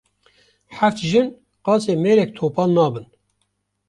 Heft jin qasê mêrek topal nabin